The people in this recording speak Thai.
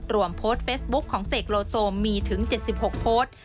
โพสต์เฟซบุ๊คของเสกโลโซมีถึง๗๖โพสต์